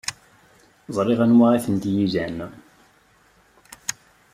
Ẓriɣ anwa ay tent-ilan.